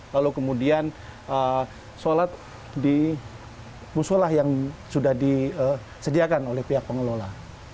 lalu kemudian sholat di musolah yang sudah disediakan oleh pihak pengelola